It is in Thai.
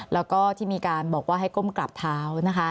แล้วก็ที่มีการบอกว่าให้ก้มกราบเท้านะคะ